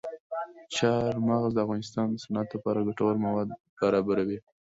چار مغز د افغانستان د صنعت لپاره ګټور مواد برابروي.